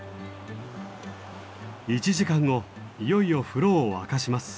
１時間後いよいよ風呂を沸かします。